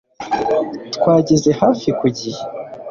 Twageze hafi ku gihe